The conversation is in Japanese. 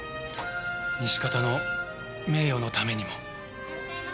西片の名誉のためにも。